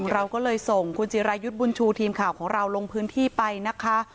เราก็เลยส่งคุณจิรายุทธ์บุญชูทีมข่าวของเราลงพื้นที่ไปนะคะ